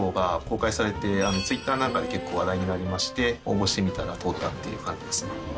ツイッターなんかで結構話題になりまして応募してみたら通ったっていう感じです。